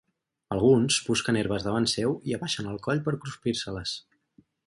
Alguns busquen herbes davant seu i abaixen el coll per cruspir-se-les.